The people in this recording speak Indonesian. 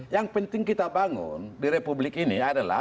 yang penting kita bangun di republik ini adalah